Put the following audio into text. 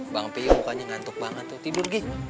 bang pi mukanya ngantuk banget tidur gi